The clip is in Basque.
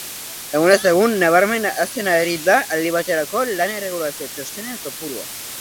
Egunez egun nabarmen hazten ari da aldi baterako lan-erregulazio txostenen kopurua.